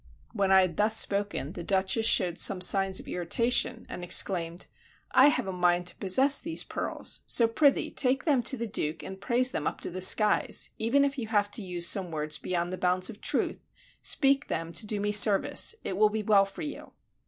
When I had thus spoken, the Duchess showed some signs of irritation, and exclaimed, "I have a mind to possess these pearls; so prithee, take them to the Duke and praise them up to the skies; even if you have to use some words beyond the bounds of truth, speak them to do me service; it will be well for you!"